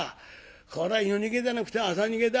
こら夜逃げじゃなくて朝逃げだ。